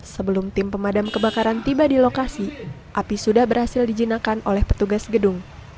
sebelum tim pemadam kebakaran tiba di lokasi api sudah berhasil dijinakan oleh petugas gedung